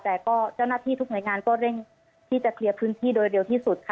แต่ก็เจ้าหน้าที่ทุกหน่วยงานก็เร่งที่จะเคลียร์พื้นที่โดยเร็วที่สุดค่ะ